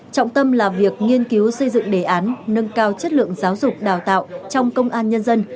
trọng tâm là việc nghiên cứu xây dựng đề án nâng cao chất lượng giáo dục đào tạo trong công an nhân dân